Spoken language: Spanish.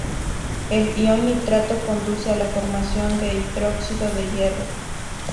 El ion nitrato conduce a la formación de hidróxido de hierro.